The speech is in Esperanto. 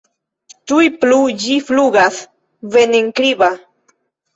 Tuj plu ĝi flugas, venenkribra.